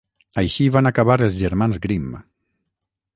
Així van acabar els germans Grimm.